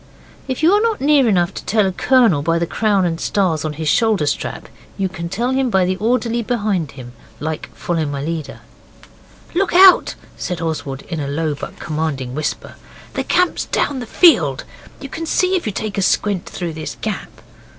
If you're not near enough to tell a colonel by the crown and stars on his shoulder strap, you can tell him by the orderly behind him, like 'follow my leader'. 'Look out!' said Oswald in a low but commanding whisper, 'the camp's down in that field. You can see if you take a squint through this gap.